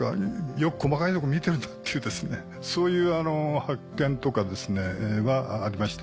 よく細かいとこ見てるなっていうそういう発見とかはありました。